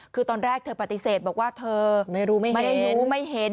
คือตอนแรกเธอปฏิเสธบอกว่าเธอไม่ได้รู้ไม่เห็น